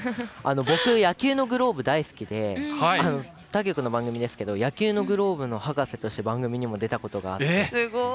僕、野球のグローブ大好きで他局の番組ですが野球のグローブ博士として番組にも出たことあって。